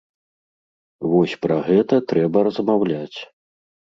Вось пра гэта трэба размаўляць.